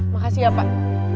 makasih ya pak